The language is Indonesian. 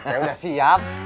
saya sudah siap